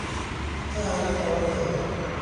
ته هغې ته ورته یې.